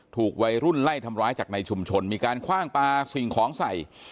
ถูกวัยรุ่นไล่ทำร้ายจากในชุมชนมีการคว่างปลาสิ่งของใส่